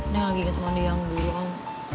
neng lagi inget mondi yang dulu om